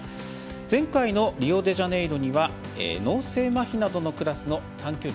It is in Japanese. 前回のリオデジャネイロには脳性まひなどのクラスの短距離